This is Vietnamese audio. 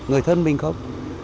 người thân mình không